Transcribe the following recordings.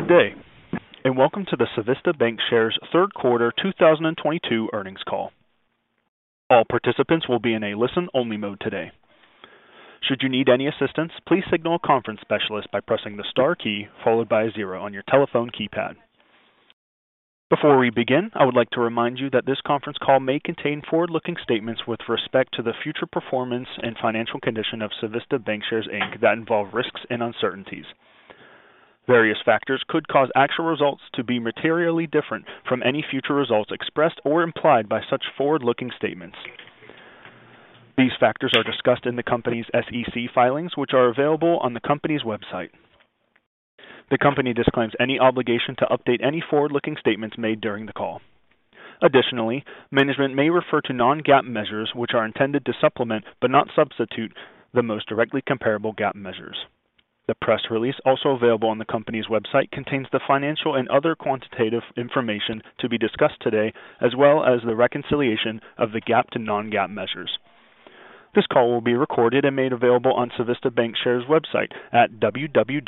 Good day, and welcome to the Civista Bancshares third quarter 2022 earnings call. All participants will be in a listen-only mode today. Should you need any assistance, please signal a conference specialist by pressing the star key followed by a zero on your telephone keypad. Before we begin, I would like to remind you that this conference call may contain forward-looking statements with respect to the future performance and financial condition of Civista Bancshares, Inc. that involve risks and uncertainties. Various factors could cause actual results to be materially different from any future results expressed or implied by such forward-looking statements. These factors are discussed in the company's SEC filings, which are available on the company's website. The company disclaims any obligation to update any forward-looking statements made during the call. Additionally, management may refer to non-GAAP measures, which are intended to supplement, but not substitute the most directly comparable GAAP measures. The press release, also available on the company's website, contains the financial and other quantitative information to be discussed today, as well as the reconciliation of the GAAP to non-GAAP measures. This call will be recorded and made available on Civista Bancshares website at www.civb.com.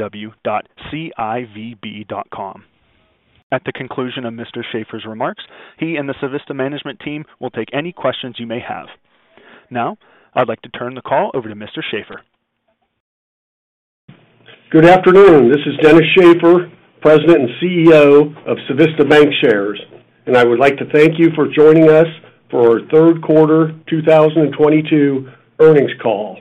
At the conclusion of Mr. Shaffer's remarks, he and the Civista management team will take any questions you may have. Now, I'd like to turn the call over to Mr. Shaffer. Good afternoon. This is Dennis Shaffer, President and CEO of Civista Bancshares, and I would like to thank you for joining us for our third quarter 2022 earnings call.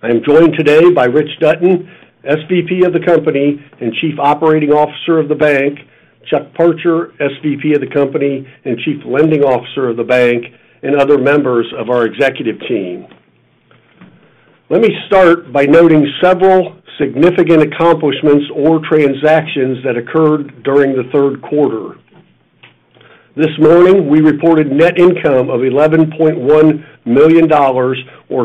I am joined today by Rich Dutton, SVP of the company and Chief Operating Officer of the bank, Chuck Parcher, SVP of the company and Chief Lending Officer of the bank, and other members of our executive team. Let me start by noting several significant accomplishments or transactions that occurred during the third quarter. This morning, we reported net income of $11.1 million or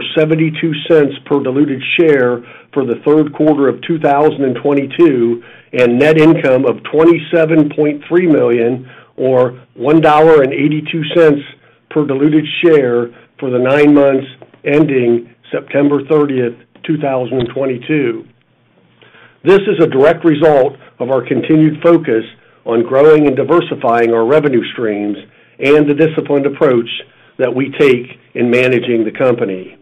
$0.72 per diluted share for the third quarter of 2022, and net income of $27.3 million or $1.82 per diluted share for the nine months ending September 30, 2022. This is a direct result of our continued focus on growing and diversifying our revenue streams and the disciplined approach that we take in managing the company.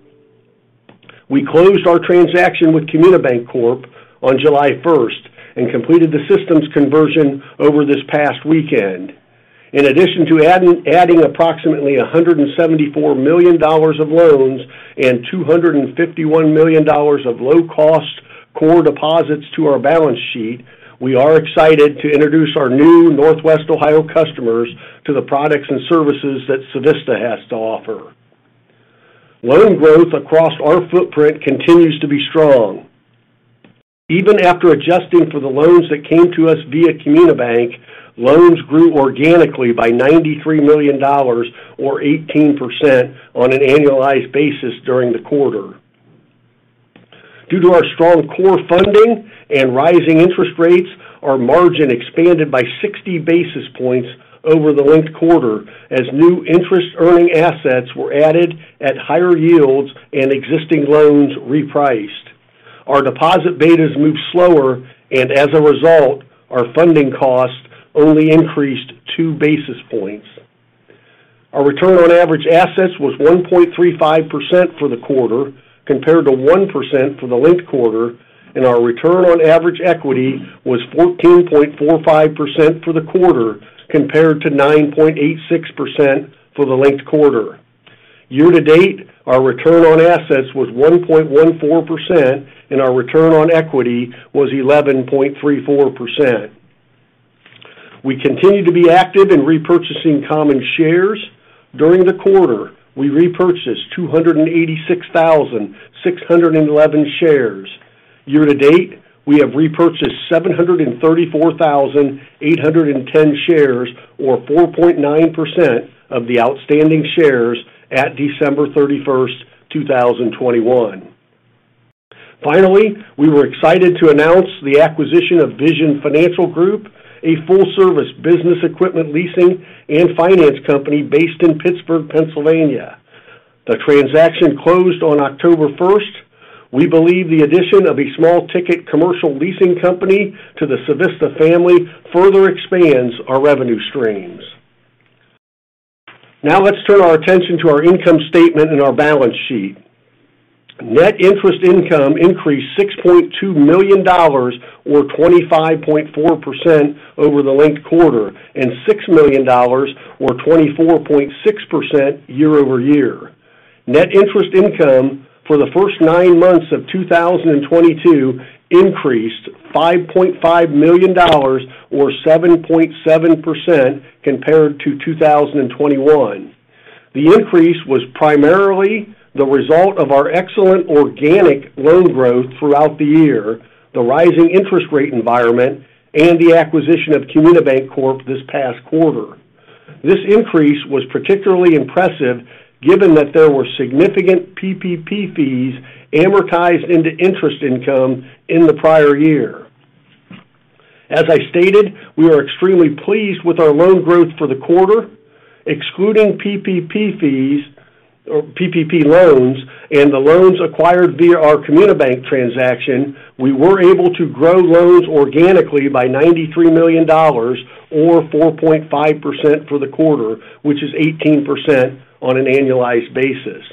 We closed our transaction with Comunibanc Corp. on July 1 and completed the systems conversion over this past weekend. In addition to adding approximately $174 million of loans and $251 million of low-cost core deposits to our balance sheet, we are excited to introduce our new Northwest Ohio customers to the products and services that Civista has to offer. Loan growth across our footprint continues to be strong. Even after adjusting for the loans that came to us via Comunibanc, loans grew organically by $93 million or 18% on an annualized basis during the quarter. Due to our strong core funding and rising interest rates, our margin expanded by 60 basis points over the linked quarter as new interest earning assets were added at higher yields and existing loans repriced. Our deposit betas moved slower, and as a result, our funding cost only increased two basis points. Our return on average assets was 1.35% for the quarter, compared to 1% for the linked quarter, and our return on average equity was 14.45% for the quarter, compared to 9.86% for the linked quarter. Year to date, our return on assets was 1.14%, and our return on equity was 11.34%. We continue to be active in repurchasing common shares. During the quarter, we repurchased 286,611 shares. Year to date, we have repurchased 734,810 shares, or 4.9% of the outstanding shares at December 31, 2021. Finally, we were excited to announce the acquisition of Vision Financial Group, a full-service business equipment leasing and finance company based in Pittsburgh, Pennsylvania. The transaction closed on October 1. We believe the addition of a small ticket commercial leasing company to the Civista family further expands our revenue streams. Now, let's turn our attention to our income statement and our balance sheet. Net interest income increased $6.2 million or 25.4% over the linked quarter, and $6 million or 24.6% year-over-year. Net interest income for the first nine months of 2022 increased $5.5 million or 7.7% compared to 2021. The increase was primarily the result of our excellent organic loan growth throughout the year, the rising interest rate environment, and the acquisition of Comunibanc Corp. this past quarter. This increase was particularly impressive given that there were significant PPP fees amortized into interest income in the prior year. As I stated, we are extremely pleased with our loan growth for the quarter. Excluding PPP fees or PPP loans and the loans acquired via our Comunibanc transaction, we were able to grow loans organically by $93 million or 4.5% for the quarter, which is 18% on an annualized basis.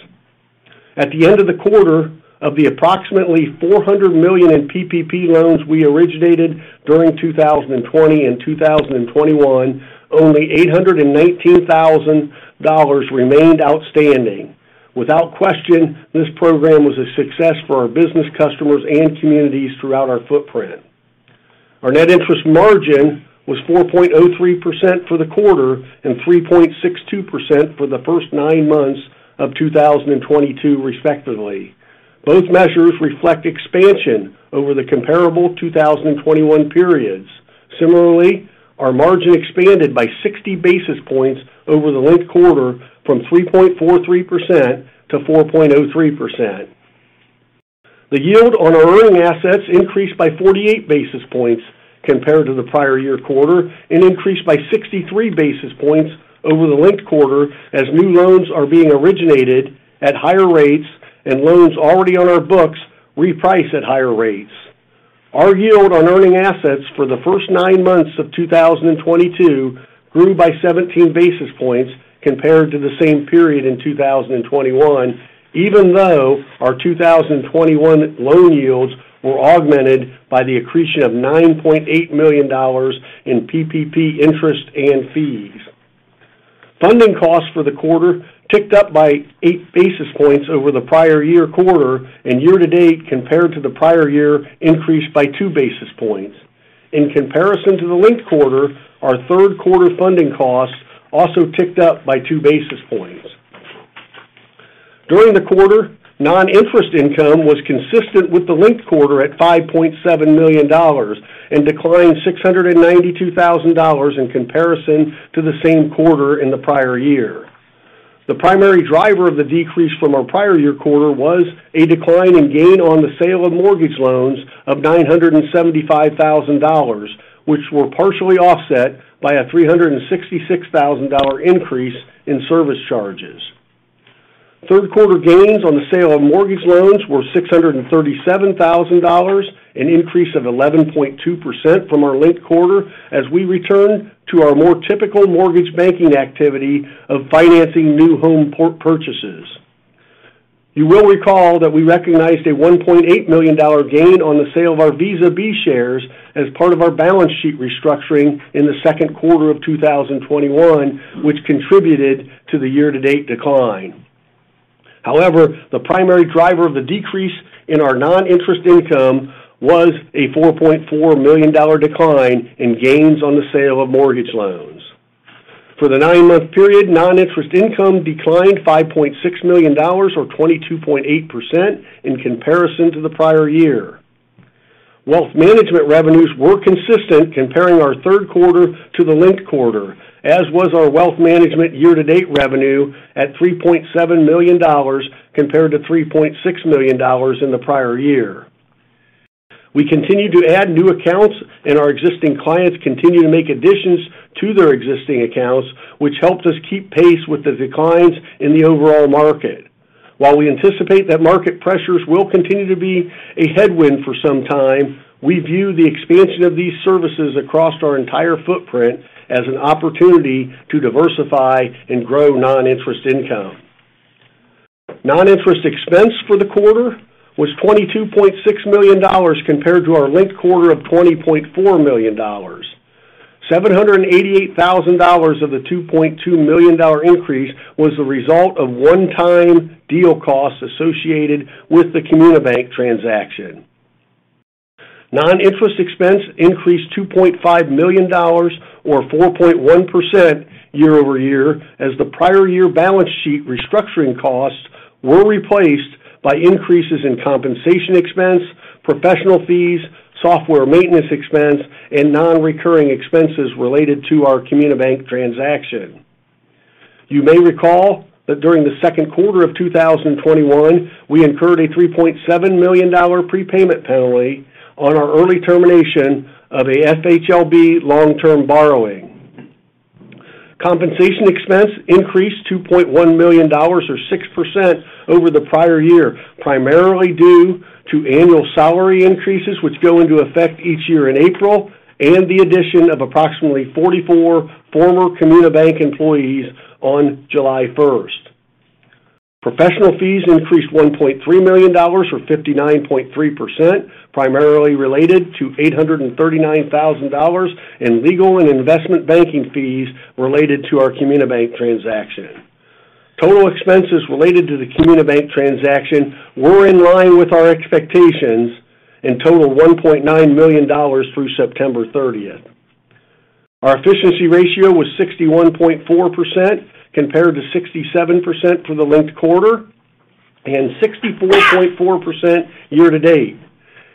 At the end of the quarter, of the approximately $400 million in PPP loans we originated during 2020 and 2021, only $819,000 remained outstanding. Without question, this program was a success for our business customers and communities throughout our footprint. Our net interest margin was 4.03% for the quarter and 3.62% for the first nine months of 2022, respectively. Both measures reflect expansion over the comparable 2021 periods. Similarly, our margin expanded by 60 basis points over the linked quarter from 3.43% to 4.03%. The yield on our earning assets increased by 48 basis points compared to the prior year quarter and increased by 63 basis points over the linked quarter as new loans are being originated at higher rates and loans already on our books reprice at higher rates. Our yield on earning assets for the first nine months of 2022 grew by 17 basis points compared to the same period in 2021, even though our 2021 loan yields were augmented by the accretion of $9.8 million in PPP interest and fees. Funding costs for the quarter ticked up by 8 basis points over the prior year quarter and year to date compared to the prior year increased by 2 basis points. In comparison to the linked quarter, our third quarter funding costs also ticked up by 2 basis points. During the quarter, non-interest income was consistent with the linked quarter at $5.7 million and declined $692 thousand in comparison to the same quarter in the prior year. The primary driver of the decrease from our prior year quarter was a decline in gain on the sale of mortgage loans of $975 thousand, which were partially offset by a $366 thousand increase in service charges. Third quarter gains on the sale of mortgage loans were $637 thousand, an increase of 11.2% from our linked quarter as we return to our more typical mortgage banking activity of financing new home purchases. You will recall that we recognized a $1.8 million gain on the sale of our Visa B shares as part of our balance sheet restructuring in the second quarter of 2021, which contributed to the year-to-date decline. However, the primary driver of the decrease in our non-interest income was a $4.4 million decline in gains on the sale of mortgage loans. For the nine-month period, non-interest income declined $5.6 million or 22.8% in comparison to the prior year. Wealth management revenues were consistent comparing our third quarter to the linked quarter, as was our wealth management year-to-date revenue at $3.7 million compared to $3.6 million in the prior year. We continue to add new accounts, and our existing clients continue to make additions to their existing accounts, which helps us keep pace with the declines in the overall market. While we anticipate that market pressures will continue to be a headwind for some time, we view the expansion of these services across our entire footprint as an opportunity to diversify and grow non-interest income. Non-interest expense for the quarter was $22.6 million compared to our linked quarter of $20.4 million. $788,000 of the $2.2 million increase was the result of one-time deal costs associated with the Comunibanc transaction. Non-interest expense increased $2.5 million or 4.1% year-over-year as the prior year balance sheet restructuring costs were replaced by increases in compensation expense, professional fees, software maintenance expense and non-recurring expenses related to our Comunibanc transaction. You may recall that during the second quarter of 2021, we incurred a $3.7 million prepayment penalty on our early termination of a FHLB long-term borrowing. Compensation expense increased $2.1 million or 6% over the prior year, primarily due to annual salary increases which go into effect each year in April, and the addition of approximately 44 former Comunibanc employees on July 1. Professional fees increased $1.3 million or 59.3%, primarily related to $839 thousand in legal and investment banking fees related to our Comunibanc transaction. Total expenses related to the Comunibanc transaction were in line with our expectations and total $1.9 million through September thirtieth. Our efficiency ratio was 61.4% compared to 67% for the linked quarter and 64.4% year to date.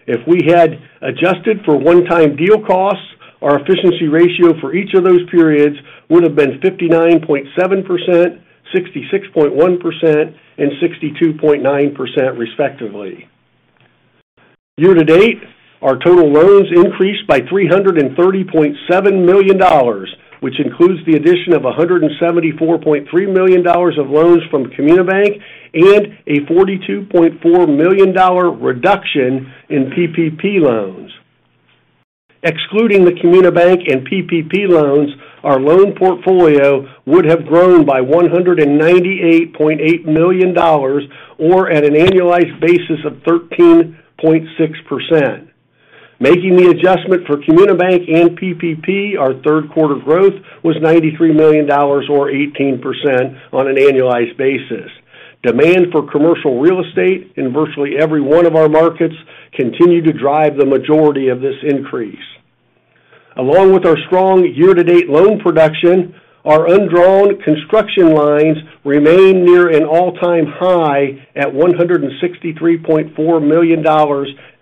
If we had adjusted for one-time deal costs, our efficiency ratio for each of those periods would have been 59.7%, 66.1%, and 62.9%, respectively. Year-to-date, our total loans increased by $330.7 million, which includes the addition of $174.3 million of loans from Comunibanc and a $42.4 million reduction in PPP loans. Excluding the Comunibanc and PPP loans, our loan portfolio would have grown by $198.8 million, or at an annualized basis of 13.6%. Making the adjustment for Comunibanc and PPP, our third quarter growth was $93 million or 18% on an annualized basis. Demand for commercial real estate in virtually every one of our markets continued to drive the majority of this increase. Along with our strong year-to-date loan production, our undrawn construction lines remain near an all-time high at $163.4 million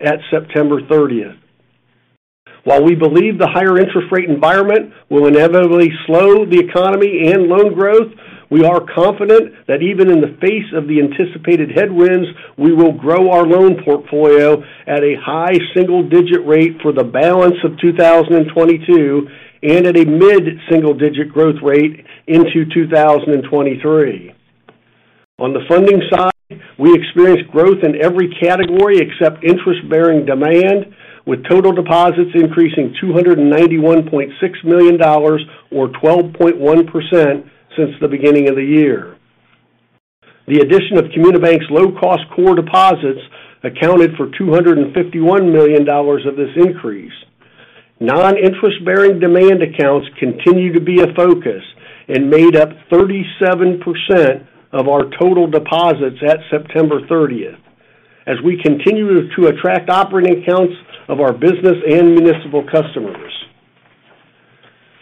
at September 30th. While we believe the higher interest rate environment will inevitably slow the economy and loan growth, we are confident that even in the face of the anticipated headwinds, we will grow our loan portfolio at a high single-digit rate for the balance of 2022 and at a mid-single digit growth rate into 2023. On the funding side, we experienced growth in every category except interest-bearing demand, with total deposits increasing $291.6 million or 12.1% since the beginning of the year. The addition of Comunibanc's low-cost core deposits accounted for $251 million of this increase. Non-interest-bearing demand accounts continue to be a focus and made up 37% of our total deposits at September 30 as we continue to attract operating accounts of our business and municipal customers.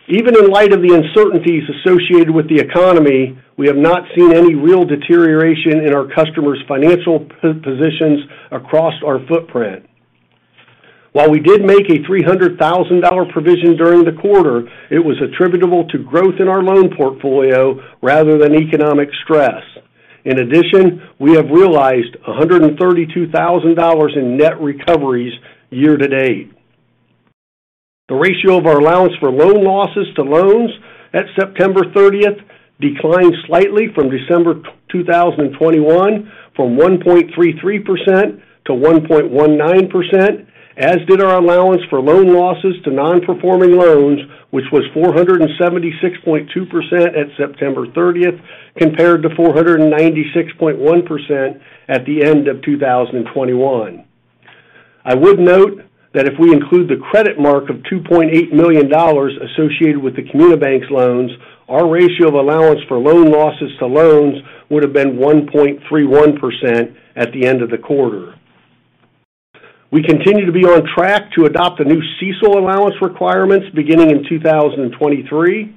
Even in light of the uncertainties associated with the economy, we have not seen any real deterioration in our customers' financial positions across our footprint. While we did make a $300,000 provision during the quarter, it was attributable to growth in our loan portfolio rather than economic stress. In addition, we have realized a $132,000 in net recoveries year-to-date. The ratio of our allowance for loan losses to loans at September thirtieth declined slightly from December 2021, from 1.33% to 1.19%, as did our allowance for loan losses to non-performing loans, which was 476.2% at September thirtieth compared to 496.1% at the end of 2021. I would note that if we include the credit mark of $2.8 million associated with the Comunibanc's loans, our ratio of allowance for loan losses to loans would have been 1.31% at the end of the quarter. We continue to be on track to adopt the new CECL allowance requirements beginning in 2023.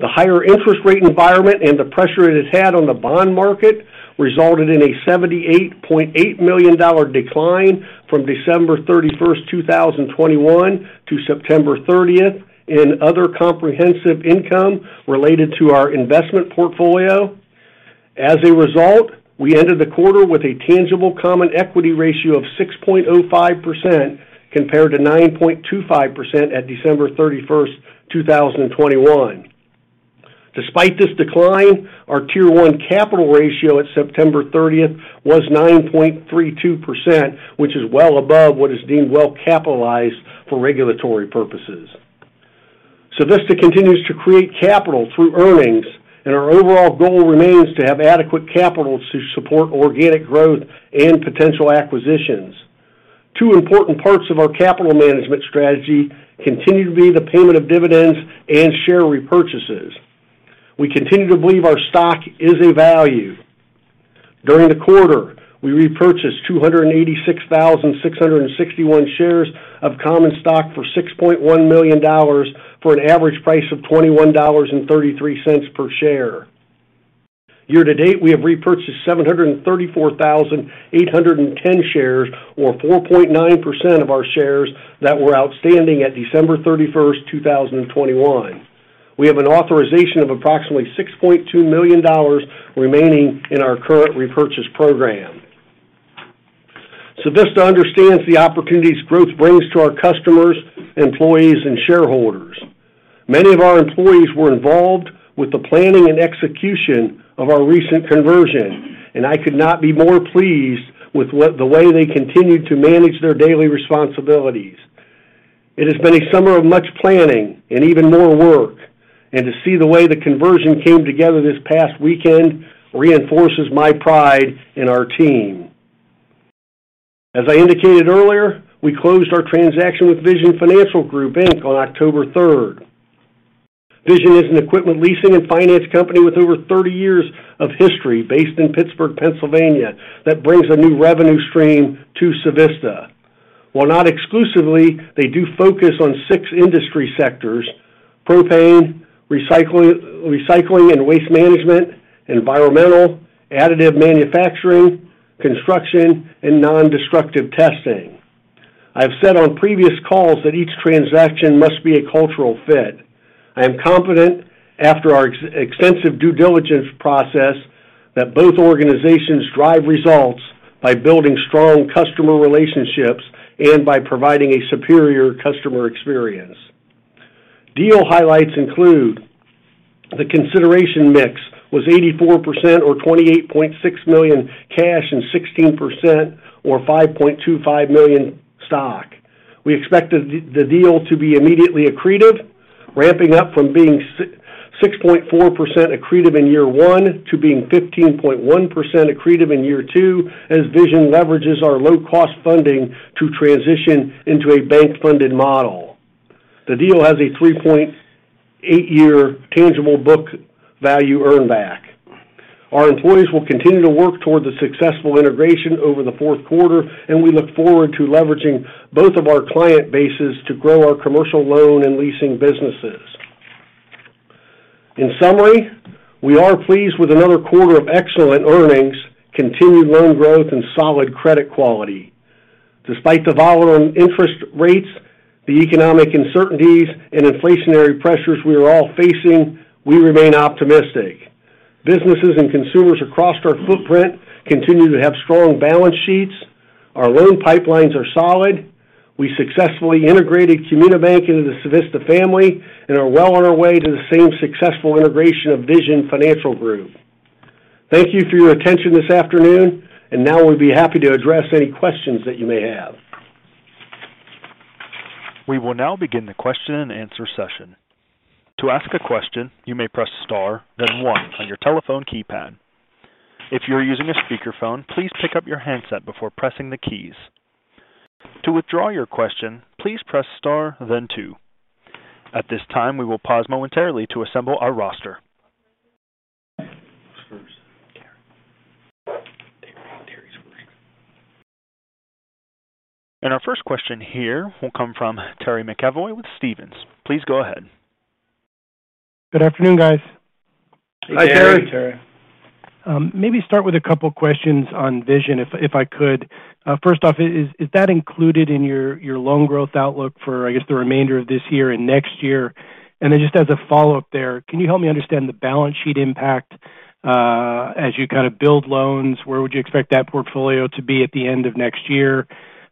The higher interest rate environment and the pressure it has had on the bond market resulted in a $78.8 million decline from December 31, 2021 to September 30 in other comprehensive income related to our investment portfolio. As a result, we ended the quarter with a tangible common equity ratio of 6.05% compared to 9.25% at December 31, 2021. Despite this decline, our Tier 1 capital ratio at September 30 was 9.32%, which is well above what is deemed well capitalized for regulatory purposes. Civista continues to create capital through earnings, and our overall goal remains to have adequate capital to support organic growth and potential acquisitions. Two important parts of our capital management strategy continue to be the payment of dividends and share repurchases. We continue to believe our stock is a value. During the quarter, we repurchased 286,661 shares of common stock for $6.1 million, for an average price of $21.33 per share. Year-to-date, we have repurchased 734,810 shares, or 4.9% of our shares that were outstanding at December 31, 2021. We have an authorization of approximately $6.2 million remaining in our current repurchase program. Civista understands the opportunities growth brings to our customers, employees, and shareholders. Many of our employees were involved with the planning and execution of our recent conversion, and I could not be more pleased with the way they continued to manage their daily responsibilities. It has been a summer of much planning and even more work, and to see the way the conversion came together this past weekend reinforces my pride in our team. As I indicated earlier, we closed our transaction with Vision Financial Group, Inc. on October third. Vision is an equipment leasing and finance company with over thirty years of history based in Pittsburgh, Pennsylvania, that brings a new revenue stream to Civista. While not exclusively, they do focus on six industry sectors, propane, recycling and waste management, environmental, additive manufacturing, construction, and non-destructive testing. I've said on previous calls that each transaction must be a cultural fit. I am confident after our extensive due diligence process, that both organizations drive results by building strong customer relationships and by providing a superior customer experience. Deal highlights include the consideration mix was 84%, or $28.6 million cash, and 16%, or $5.25 million stock. We expect the deal to be immediately accretive, ramping up from being 6.4% accretive in year one to being 15.1% accretive in year two as Vision leverages our low-cost funding to transition into a bank-funded model. The deal has a 3.8-year tangible book value earn back. Our employees will continue to work toward the successful integration over the fourth quarter, and we look forward to leveraging both of our client bases to grow our commercial loan and leasing businesses. In summary, we are pleased with another quarter of excellent earnings, continued loan growth, and solid credit quality. Despite the volatile interest rates, the economic uncertainties, and inflationary pressures we are all facing, we remain optimistic. Businesses and consumers across our footprint continue to have strong balance sheets. Our loan pipelines are solid. We successfully integrated Comunibanc into the Civista family and are well on our way to the same successful integration of Vision Financial Group. Thank you for your attention this afternoon, and now we'll be happy to address any questions that you may have. We will now begin the question-and-answer session. To ask a question, you may press Star, then One on your telephone keypad. If you are using a speakerphone, please pick up your handset before pressing the keys. To withdraw your question, please press Star then Two. At this time, we will pause momentarily to assemble our roster. Who's first? Terry, Terry's first. Our first question here will come from Terry McEvoy with Stephens, please go ahead. Good afternoon, guys. Hey, Terry. Hi, Terry. Maybe start with a couple questions on Vision, if I could. First off, is that included in your loan growth outlook for, I guess, the remainder of this year and next year? Then just as a follow-up there, can you help me understand the balance sheet impact, as you kind of build loans? Where would you expect that portfolio to be at the end of next year?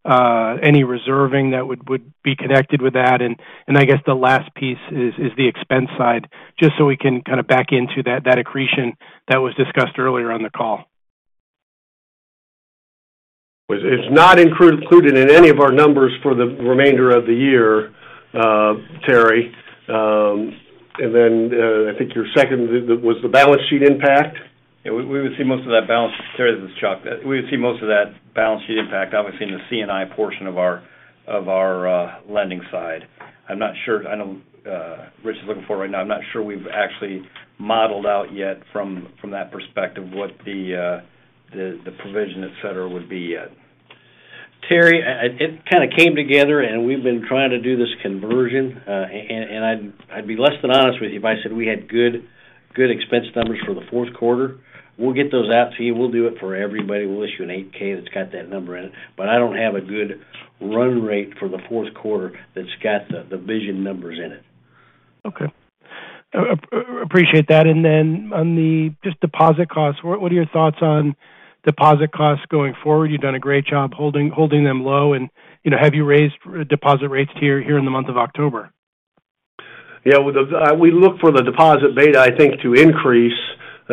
Any reserving that would be connected with that? I guess the last piece is the expense side, just so we can kind of back into that accretion that was discussed earlier on the call. It's not included in any of our numbers for the remainder of the year, Terry. I think your second was the balance sheet impact. Yeah, we would see most of that balance. Terry, this is Chuck. We would see most of that balance sheet impact, obviously, in the C&I portion of our lending side. I'm not sure. I know Rich is looking for it right now. I'm not sure we've actually modeled out yet from that perspective what the provision, et cetera, would be yet. Terry, it kind of came together, and we've been trying to do this conversion. I'd be less than honest with you if I said we had good expense numbers for the fourth quarter. We'll get those out to you. We'll do it for everybody. We'll issue an 8-K that's got that number in it. But I don't have a good run rate for the fourth quarter that's got the Vision numbers in it. Okay. Appreciate that. On deposit costs, just what are your thoughts on deposit costs going forward? You've done a great job holding them low. You know, have you raised deposit rates here in the month of October? We look for the deposit beta, I think, to increase.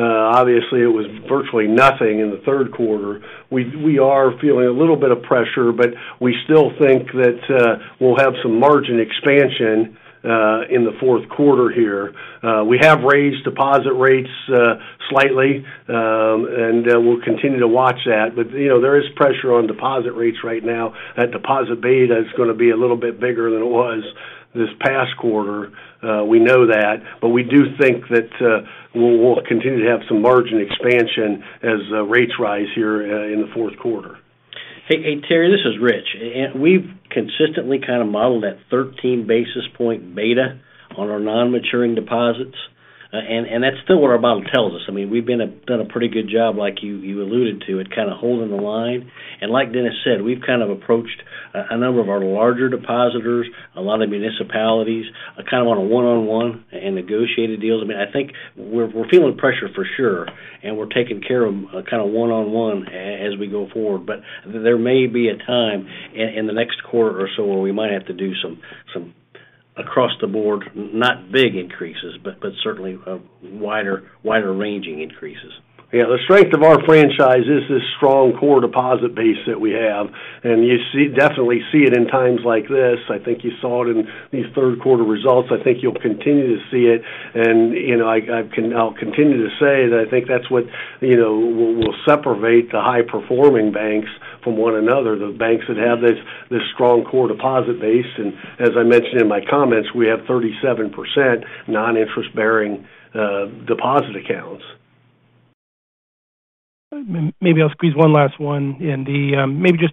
Obviously, it was virtually nothing in the third quarter. We are feeling a little bit of pressure, but we still think that we'll have some margin expansion in the fourth quarter here. We have raised deposit rates slightly, and we'll continue to watch that. You know, there is pressure on deposit rates right now. That deposit beta is gonna be a little bit bigger than it was this past quarter. We know that, but we do think that we'll continue to have some margin expansion as rates rise here in the fourth quarter. Hey, hey, Terry, this is Rich. We've consistently kind of modeled that 13 basis point beta on our non-maturing deposits. That's still what our model tells us. I mean, we've done a pretty good job, like you alluded to, at kind of holding the line. Like Dennis said, we've kind of approached a number of our larger depositors, a lot of municipalities, kind of on a one-on-one and negotiated deals. I mean, I think we're feeling pressure for sure, and we're taking care of kind of one-on-one as we go forward. There may be a time in the next quarter or so where we might have to do some across the board, not big increases, but certainly wider ranging increases. Yeah. The strength of our franchise is this strong core deposit base that we have, and you definitely see it in times like this. I think you saw it in these third quarter results. I think you'll continue to see it. You know, I'll continue to say that I think that's what, you know, will separate the high-performing banks from one another, the banks that have this strong core deposit base. As I mentioned in my comments, we have 37% non-interest bearing deposit accounts. Maybe just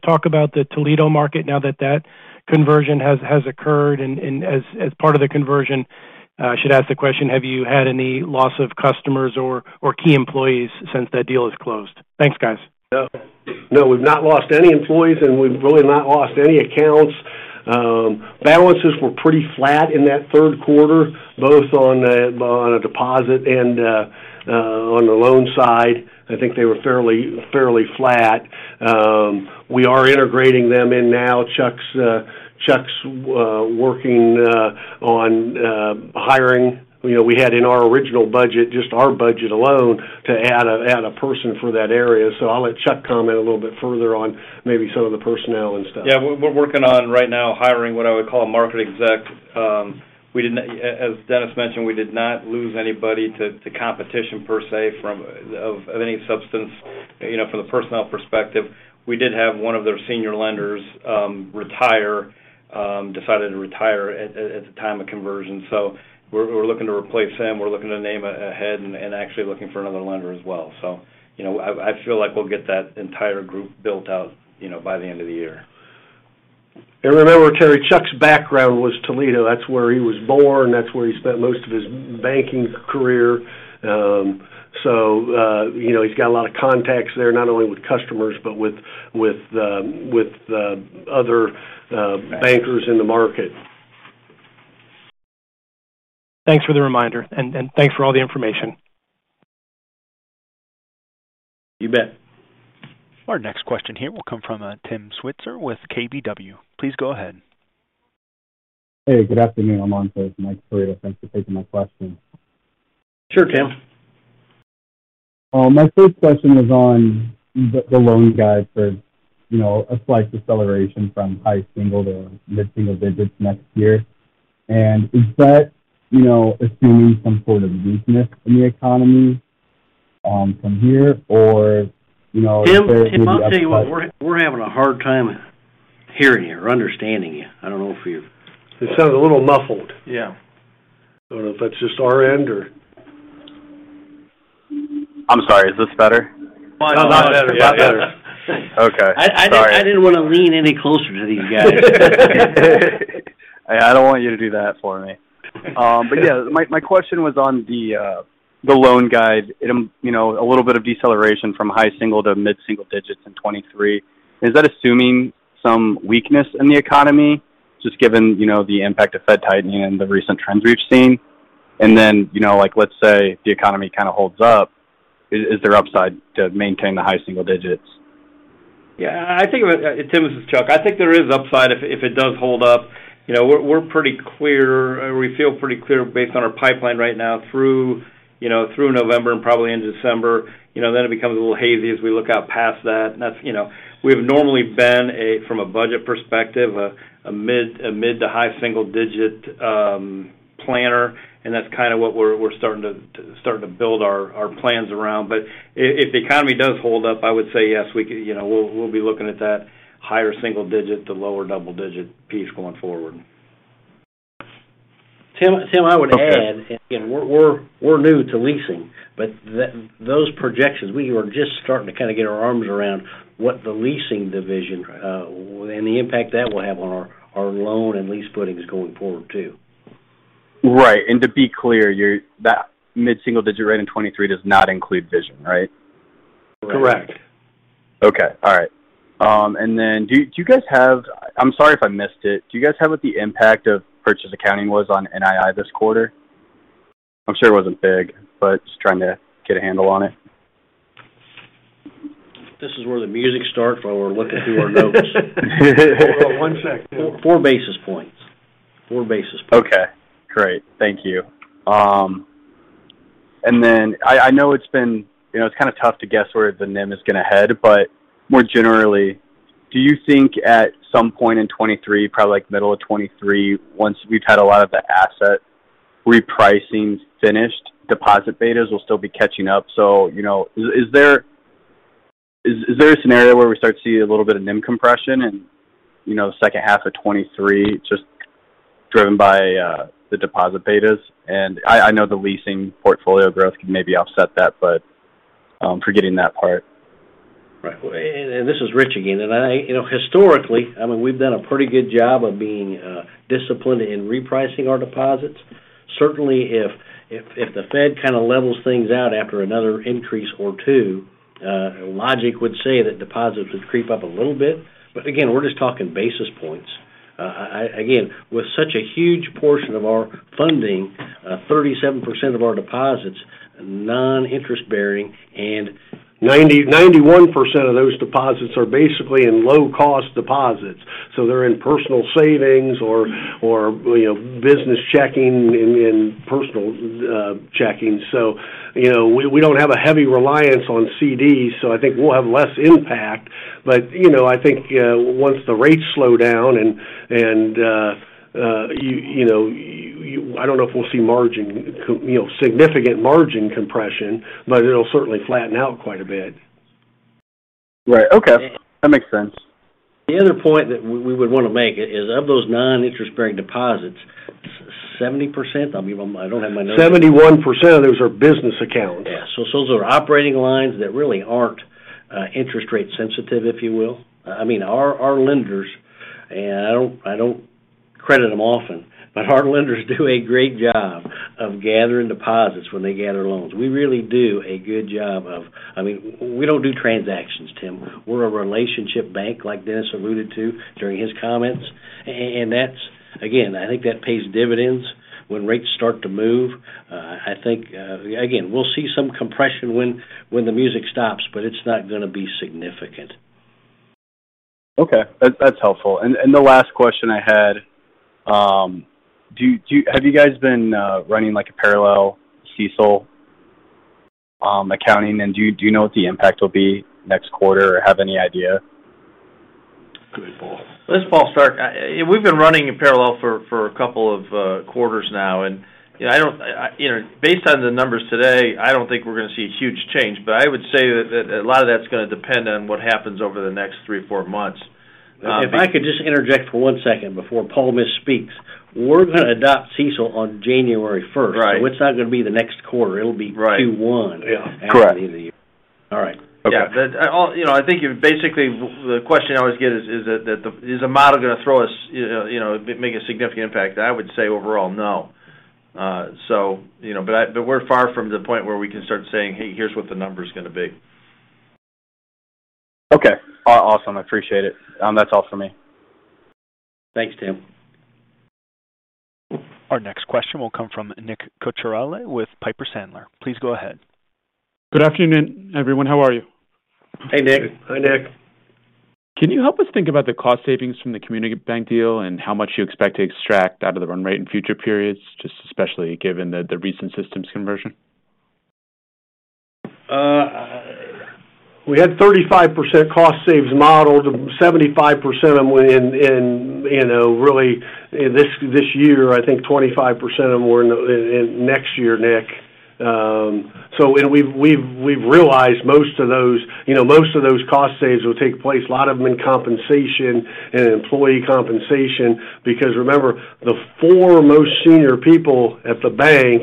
talk about the Toledo market now that the conversion has occurred. As part of the conversion. I should ask the question: Have you had any loss of customers or key employees since that deal is closed? Thanks, guys. No. No, we've not lost any employees, and we've really not lost any accounts. Balances were pretty flat in that third quarter, both on deposit and on the loan side. I think they were fairly flat. We are integrating them in now. Chuck's working on hiring. You know, we had in our original budget, just our budget alone, to add a person for that area. I'll let Chuck comment a little bit further on maybe some of the personnel and stuff. Yeah. We're working on right now hiring what I would call a market exec. As Dennis mentioned, we did not lose anybody to competition per se of any substance, you know, from the personnel perspective. We did have one of their senior lenders retire, decided to retire at the time of conversion. We're looking to replace him. We're looking to name a head and actually looking for another lender as well. You know, I feel like we'll get that entire group built out, you know, by the end of the year. Remember, Terry, Chuck's background was Toledo. That's where he was born, that's where he spent most of his banking career. You know, he's got a lot of contacts there, not only with customers, but with other bankers in the market. Thanks for the reminder, and thanks for all the information. You bet. Our next question here will come from Tim Switzer with KBW. Please go ahead. Hey, good afternoon. I'm on for Michael Perito. Thanks for taking my questions. Sure, Tim. My first question was on the loan guidance for, you know, a slight deceleration from high single to mid-single digits next year. Is that, you know, assuming some sort of weakness in the economy, from here? Or, you know, is there maybe upside? Tim, I'll tell you what, we're having a hard time hearing you or understanding you. I don't know if you. It sounds a little muffled. Yeah. I don't know if that's just our end or? I'm sorry. Is this better? Much better. Yeah. A lot better. Okay. Sorry. I didn't wanna lean any closer to these guys. I don't want you to do that for me. My question was on the loan guide. A little bit of deceleration from high single to mid-single digits in 2023. Is that assuming some weakness in the economy, just given the impact of Fed tightening and the recent trends we've seen? Let's say the economy kind of holds up. Is there upside to maintain the high single digits? Yeah. I think, Tim, this is Chuck. I think there is upside if it does hold up. You know, we're pretty clear. We feel pretty clear based on our pipeline right now through, you know, through November and probably into December. You know, then it becomes a little hazy as we look out past that. That's, you know, we've normally been from a budget perspective a mid to high single digit planner, and that's kinda what we're starting to build our plans around. If the economy does hold up, I would say yes, we can. You know, we'll be looking at that higher single digit to lower double digit piece going forward. Tim, I would add, and we're new to leasing, but those projections, we are just starting to kind of get our arms around what the leasing division and the impact that will have on our loan and lease footings going forward too. Right. To be clear, that mid-single digit rate in 2023 does not include Vision, right? Correct. Okay. All right. I'm sorry if I missed it. Do you guys have what the impact of purchase accounting was on NII this quarter? I'm sure it wasn't big, but just trying to get a handle on it. This is where the music starts while we're looking through our notes. One sec. 4 basis points. Okay, great. Thank you. I know, you know, it's kinda tough to guess where the NIM is gonna head. More generally, do you think at some point in 2023, probably like middle of 2023, once we've had a lot of the asset repricing finished, deposit betas will still be catching up. You know, is there a scenario where we start to see a little bit of NIM compression in, you know, second half of 2023 just driven by the deposit betas? I know the leasing portfolio growth could maybe offset that, but forgetting that part. Right. Well, this is Rich again. I you know, historically, I mean, we've done a pretty good job of being disciplined in repricing our deposits. Certainly, if the Fed kinda levels things out after another increase or two, logic would say that deposits would creep up a little bit. Again, we're just talking basis points. Again, with such a huge portion of our funding, 37% of our deposits non-interest-bearing, and 90%-91% of those deposits are basically in low-cost deposits. They're in personal savings or, you know, business checking and personal checking. You know, we don't have a heavy reliance on CDs, so I think we'll have less impact. You know, I think once the rates slow down and you know, I don't know if we'll see significant margin compression, but it'll certainly flatten out quite a bit. Right. Okay. That makes sense. The other point that we would wanna make is of those noninterest-bearing deposits, 70%, I mean, I don't have my numbers. 71% of those are business accounts. Yeah. Those are operating lines that really aren't interest rate sensitive, if you will. I mean, our lenders, and I don't credit them often, but our lenders do a great job of gathering deposits when they gather loans. We really do a good job. I mean, we don't do transactions, Tim. We're a relationship bank like Dennis alluded to during his comments. That's, again, I think that pays dividends when rates start to move. I think, again, we'll see some compression when the music stops, but it's not gonna be significant. Okay. That's helpful. The last question I had, have you guys been running, like, a parallel CECL accounting, and do you know what the impact will be next quarter or have any idea? Go ahead, Paul. This is Paul Stark. We've been running in parallel for a couple of quarters now, and you know, based on the numbers today, I don't think we're gonna see a huge change, but I would say that a lot of that's gonna depend on what happens over the next three or four months. If I could just interject for one second before Paul misspeaks. We're gonna adopt CECL on January first. Right. It's not gonna be the next quarter, it'll be- Right. Q1. Yeah. After the end of the year. All right. Okay. Yeah. Overall, you know, I think basically the question I always get is that the model gonna throw us, you know, make a significant impact? I would say overall, no. You know, but we're far from the point where we can start saying, "Hey, here's what the number's gonna be. Okay. Awesome. I appreciate it. That's all for me. Thanks, Tim. Our next question will come from Nick Cucharale with Piper Sandler, please go ahead. Good afternoon, everyone. How are you? Hey, Nick. Hi, Nick. Can you help us think about the cost savings from the Comunibanc deal and how much you expect to extract out of the run rate in future periods, just especially given the recent systems conversion? We had 35% cost savings modeled, 75% of them went in, you know, really in this year. I think 25% of them were in next year, Nick. We've realized most of those, you know, most of those cost savings will take place, a lot of them in compensation and employee compensation because remember, the four most senior people at the bank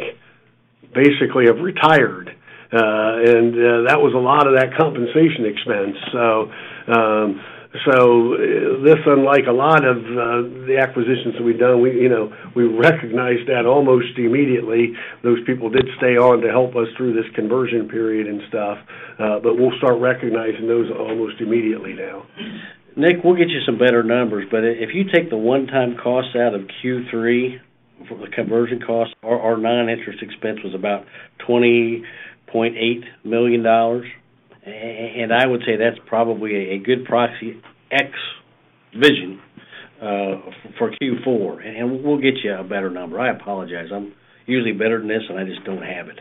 basically have retired, and that was a lot of that compensation expense. This, unlike a lot of the acquisitions that we've done, you know, we recognized that almost immediately. Those people did stay on to help us through this conversion period and stuff, but we'll start recognizing those almost immediately now. Nick Cucharale, we'll get you some better numbers, but if you take the one-time costs out of Q3 for the conversion costs, our noninterest expense was about $20.8 million. I would say that's probably a good proxy, ex Vision, for Q4. We'll get you a better number. I apologize. I'm usually better than this, and I just don't have it.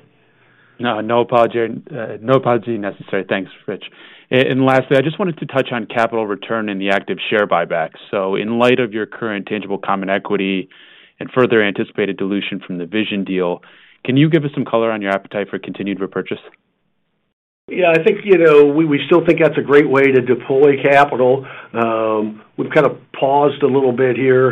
No apology necessary. Thanks, Rich. Lastly, I just wanted to touch on capital return and the active share buyback. In light of your current tangible common equity and further anticipated dilution from the Vision deal, can you give us some color on your appetite for continued repurchase? Yeah, I think, you know, we still think that's a great way to deploy capital. We've kind of paused a little bit here.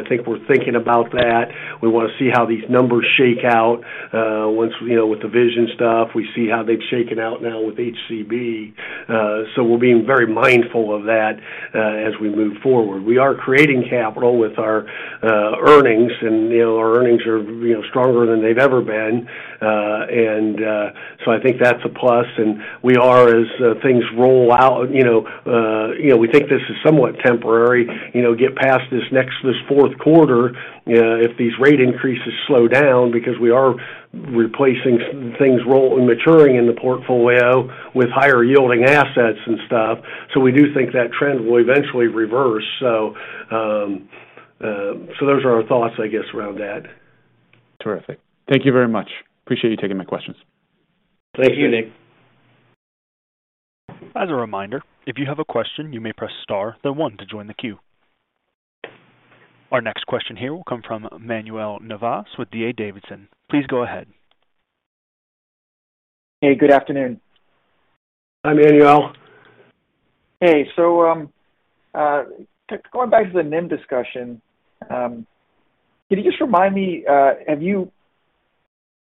I think we're thinking about that. We want to see how these numbers shake out, once, you know, with the Vision stuff. We see how they've shaken out now with HCB. We're being very mindful of that, as we move forward. We are creating capital with our earnings, and, you know, our earnings are, you know, stronger than they've ever been. I think that's a plus, and we are, as things roll out, you know, we think this is somewhat temporary. You know, get past this fourth quarter, if these rate increases slow down because we are replacing things maturing in the portfolio with higher yielding assets and stuff. We do think that trend will eventually reverse. Those are our thoughts, I guess, around that. Terrific. Thank you very much. Appreciate you taking my questions. Thank you. Thank you, Nick. As a reminder, if you have a question, you may press star then one to join the queue. Our next question here will come from Manuel Navas with D.A. Davidson, please go ahead. Hey, good afternoon. Hi, Manuel. Hey. Going back to the NIM discussion, can you just remind me, have you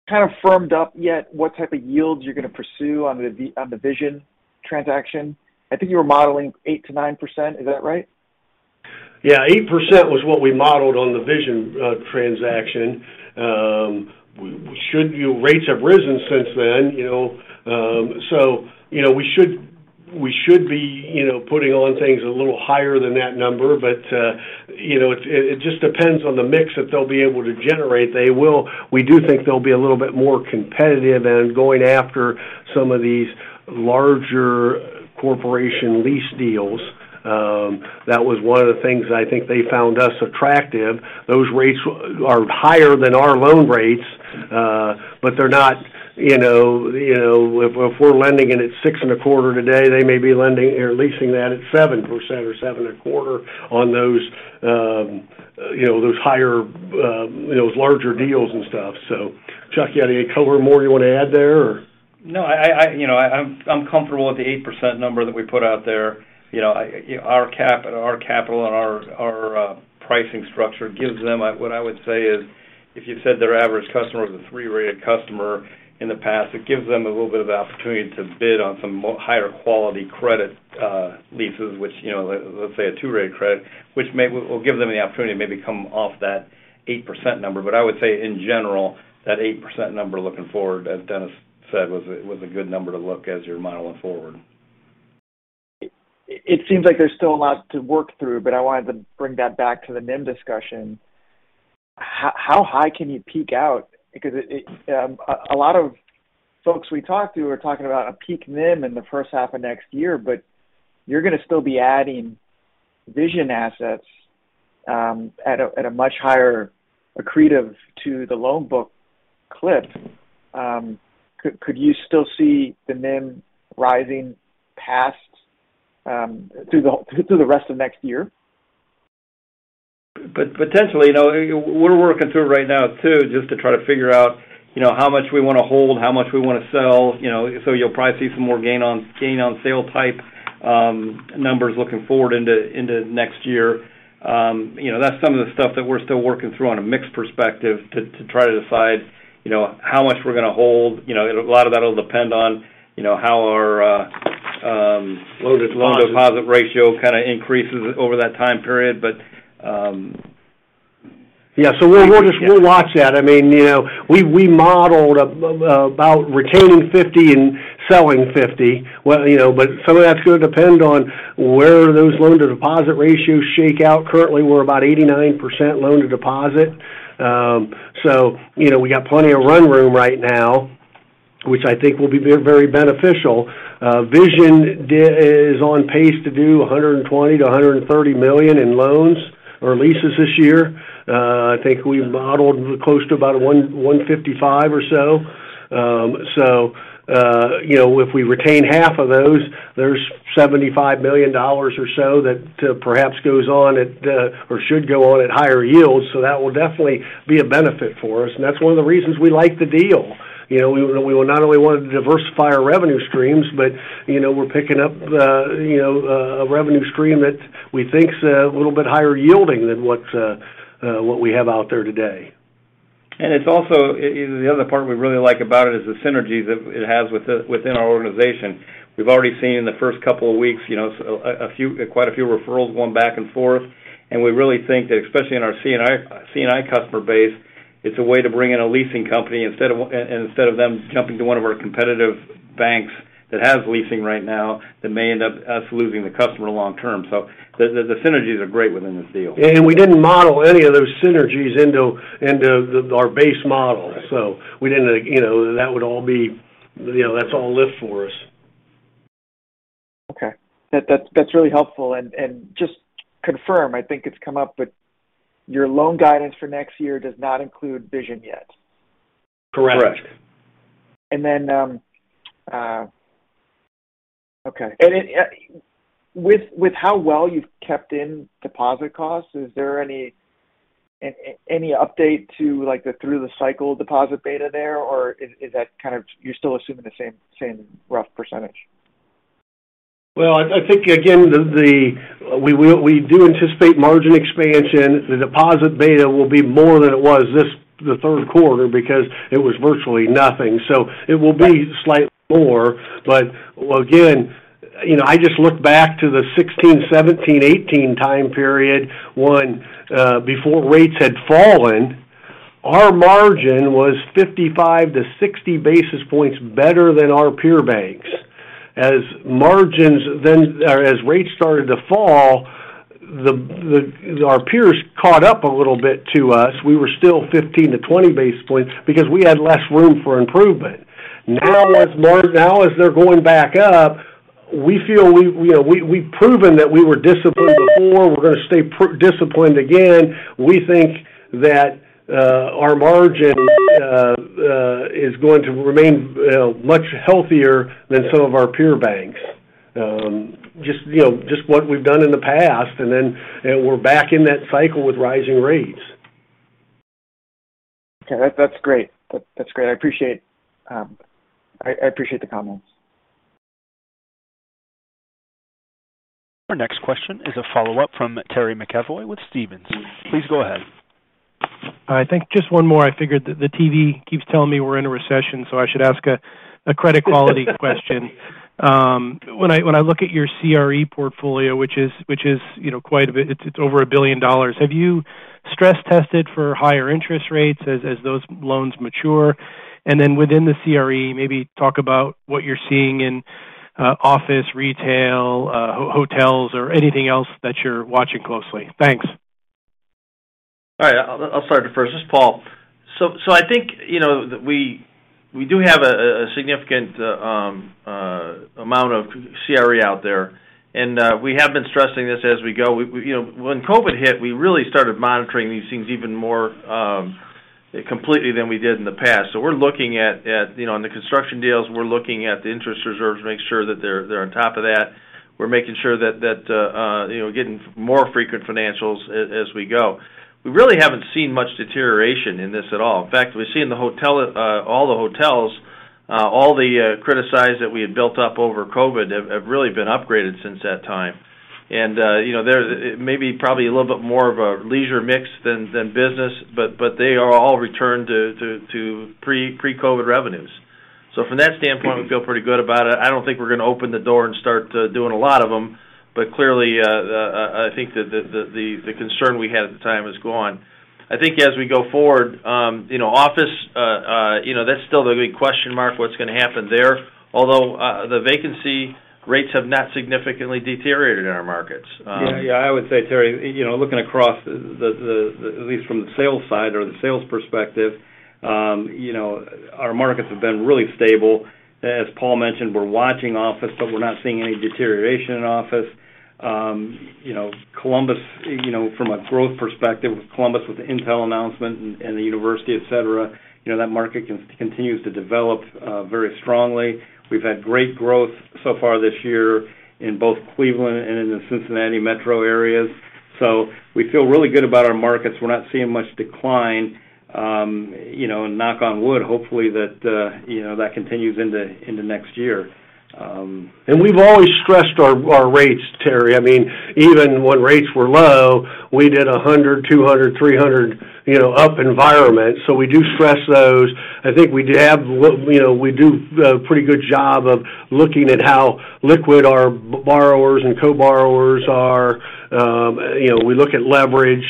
kind of firmed up yet what type of yields you're going to pursue on the Vision transaction? I think you were modeling 8%-9%. Is that right? Yeah. 8% was what we modeled on the Vision transaction. Rates have risen since then, you know, so, you know, we should be, you know, putting on things a little higher than that number. But, you know, it just depends on the mix that they'll be able to generate. We do think they'll be a little bit more competitive in going after some of these larger corporation lease deals. That was one of the things that I think they found us attractive. Those rates are higher than our loan rates, but they're not, you know, you know. If we're lending it at 6.25% today, they may be lending or leasing that at 7% or 7.25% on those, you know, those higher, those larger deals and stuff. Chuck, you got any color more you want to add there or? No, you know, I'm comfortable with the 8% number that we put out there. You know, our capital and our pricing structure gives them. What I would say is if you said their average customer is a 3-rated customer in the past, it gives them a little bit of opportunity to bid on some higher quality credit leases, which, you know, let's say a 2-rated credit, which will give them the opportunity to maybe come off that 8% number. I would say in general, that 8% number looking forward, as Dennis said, was a good number to look at as you're modeling forward. It seems like there's still a lot to work through, but I wanted to bring that back to the NIM discussion. How high can you peak out? Because a lot of folks we talk to are talking about a peak NIM in the first half of next year, but you're gonna still be adding Vision assets at a much higher accretive to the loan book clip. Could you still see the NIM rising past through the rest of next year? Potentially. You know, we're working through it right now too, just to try to figure out, you know, how much we want to hold, how much we want to sell, you know. You'll probably see some more gain on sale type numbers looking forward into next year. You know, that's some of the stuff that we're still working through on a mix perspective to try to decide, you know, how much we're going to hold. You know, a lot of that will depend on, you know, how our loan deposit ratio kind of increases over that time period. Yeah. We'll just watch that. I mean, you know, we modeled about retaining 50 and selling 50, well, you know. Some of that's going to depend on where those loan to deposit ratios shake out. Currently, we're about 89% loan to deposit. You know, we got plenty of room to run right now, which I think will be very beneficial. Vision is on pace to do $100-$130 million in loans or leases this year. I think we modeled close to about 155 or so. You know, if we retain half of those, there's $75 million or so that perhaps goes on at or should go on at higher yields. That will definitely be a benefit for us, and that's one of the reasons we like the deal. You know, we will not only want to diversify our revenue streams, but, you know, we're picking up, you know, a revenue stream that we think is a little bit higher yielding than what we have out there today. It's also the other part we really like about it is the synergies that it has within our organization. We've already seen in the first couple of weeks, you know, quite a few referrals going back and forth. We really think that especially in our C&I customer base, it's a way to bring in a leasing company instead of them jumping to one of our competitive banks that has leasing right now, that may end up us losing the customer long term. The synergies are great within the deal. We didn't model any of those synergies into our base model. Right. We didn't, you know, that would all be. You know, that's all lift for us. Okay. That's really helpful. Just confirm, I think it's come up, but your loan guidance for next year does not include Vision yet? Correct. Correct. With how well you've kept in deposit costs, is there any update to like the through-the-cycle deposit beta there, or is that kind of you're still assuming the same rough percentage? I think again, we do anticipate margin expansion. The deposit beta will be more than it was this, the third quarter because it was virtually nothing. It will be slightly more. Again, you know, I just look back to the 2016, 2017, 2018 time period when, before rates had fallen, our margin was 55-60 basis points better than our peer banks. As rates started to fall, our peers caught up a little bit to us. We were still 15-20 basis points because we had less room for improvement. Now, as they're going back up, we feel we, you know, we've proven that we were disciplined before. We're going to stay disciplined again. We think that our margin is going to remain much healthier than some of our peer banks. Just, you know, just what we've done in the past, and then we're back in that cycle with rising rates. Okay. That's great. That's great. I appreciate the comments. Our next question is a follow-up from Terry McEvoy with Stephens. Please go ahead. I think just one more. I figured that the TV keeps telling me we're in a recession, so I should ask a credit quality question. When I look at your CRE portfolio, which is, you know, quite a bit, it's over $1 billion. Have you stress tested for higher interest rates as those loans mature? Then within the CRE, maybe talk about what you're seeing in office, retail, hotels or anything else that you're watching closely. Thanks. All right. I'll start it first., this is Paul. I think, you know, we do have a significant amount of CRE out there, and we have been stressing this as we go. We, you know, when COVID hit, we really started monitoring these things even more completely than we did in the past. We're looking at, you know, on the construction deals, we're looking at the interest reserves to make sure that they're on top of that. We're making sure that you know getting more frequent financials as we go. We really haven't seen much deterioration in this at all. In fact, we see in the hotel all the hotels all the criticized that we had built up over COVID have really been upgraded since that time. You know, there's it may be probably a little bit more of a leisure mix than business, but they are all returned to pre-COVID revenues. From that standpoint, we feel pretty good about it. I don't think we're gonna open the door and start doing a lot of them, but clearly, I think that the concern we had at the time is gone. I think as we go forward, you know, office, you know, that's still the big question mark, what's gonna happen there. Although, the vacancy rates have not significantly deteriorated in our markets. Yeah, yeah. I would say, Terry, you know, looking across at least from the sales side or the sales perspective, you know, our markets have been really stable. As Paul mentioned, we're watching office, but we're not seeing any deterioration in office. You know, Columbus, you know, from a growth perspective, with Columbus, with Intel announcement and the university, et cetera, you know, that market continues to develop very strongly. We've had great growth so far this year in both Cleveland and in the Cincinnati metro areas. So we feel really good about our markets. We're not seeing much decline, you know, and knock on wood, hopefully that, you know, that continues into next year. We've always stressed our rates, Terry. I mean, even when rates were low, we did 100, 200, 300, you know, up environment. So we do stress those. I think we do have, you know, we do a pretty good job of looking at how liquid our borrowers and co-borrowers are. You know, we look at leverage.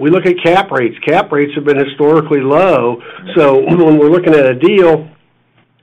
We look at cap rates. Cap rates have been historically low. So when we're looking at a deal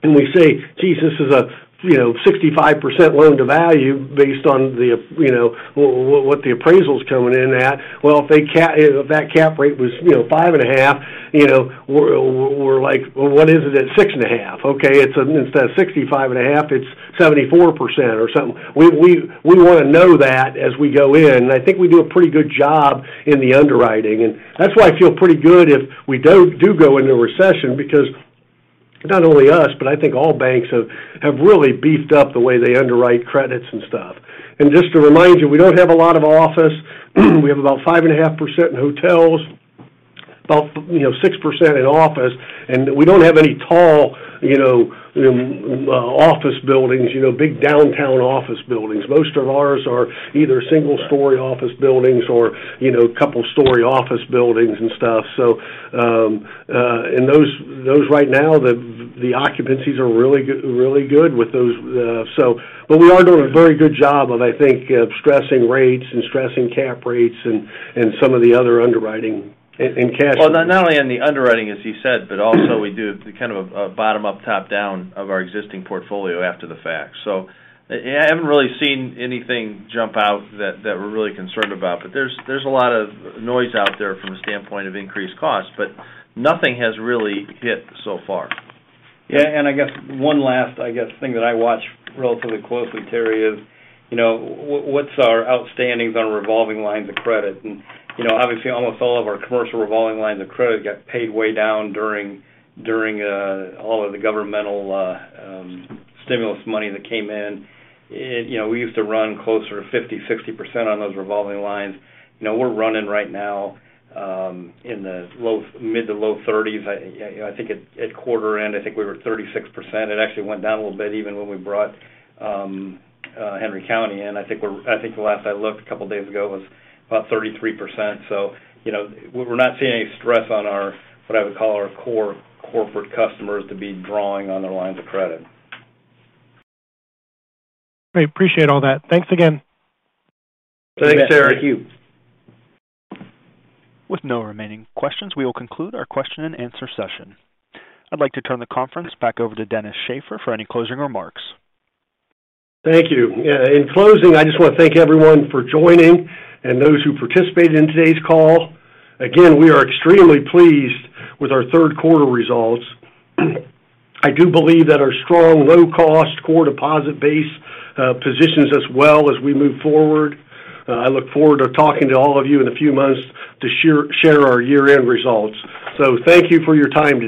and we say, "Geez, this is a, you know, 65% loan to value based on the, you know, what the appraisal's coming in at." Well, if that cap rate was, you know, 5.5, you know, we're like, "Well, what is it at 6.5?" Okay, it's instead of 65.5, it's 74% or something. We wanna know that as we go in. I think we do a pretty good job in the underwriting, and that's why I feel pretty good if we do go into a recession because not only us, but I think all banks have really beefed up the way they underwrite credits and stuff. Just to remind you, we don't have a lot of office. We have about 5.5% in hotels, about, you know, 6% in office, and we don't have any tall, you know, office buildings, you know, big downtown office buildings. Most of ours are either single-story office buildings or, you know, couple story office buildings and stuff. Those right now, the occupancies are really good with those. We are doing a very good job of, I think, stressing rates and stressing cap rates and some of the other underwriting and cash flow. Well, not only on the underwriting, as you said, but also we do kind of a bottom up, top down of our existing portfolio after the fact. I haven't really seen anything jump out that we're really concerned about. There's a lot of noise out there from a standpoint of increased cost, but nothing has really hit so far. Yeah. I guess one last thing that I watch relatively closely, Terry, is, you know, what's our outstandings on revolving lines of credit. You know, obviously, almost all of our commercial revolving lines of credit got paid way down during all of the governmental stimulus money that came in. You know, we used to run closer to 50, 60% on those revolving lines. You know, we're running right now in the low mid to low 30s. I think at quarter end, I think we were 36%. It actually went down a little bit even when we brought Henry County in. I think the last I looked a couple of days ago, it was about 33%. You know, we're not seeing any stress on our, what I would call our core corporate customers to be drawing on their lines of credit. Great. Appreciate all that. Thanks again. Thanks, Terry. Thank you. With no remaining questions, we will conclude our question and answer session. I'd like to turn the conference back over to Dennis Shaffer for any closing remarks. Thank you. In closing, I just wanna thank everyone for joining and those who participated in today's call. Again, we are extremely pleased with our third quarter results. I do believe that our strong, low-cost core deposit base positions us well as we move forward. I look forward to talking to all of you in a few months to share our year-end results. Thank you for your time today.